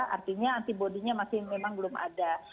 artinya antibody nya masih memang belum ada